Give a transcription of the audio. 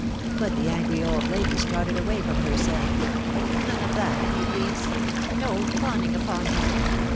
But the angry old lady started away from her, saying, — "None of that, if you ^teasel — \to fawning upon me.